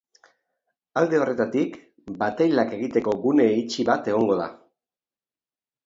Alde horretatik, batailak egiteko gune itxi bat egongo da.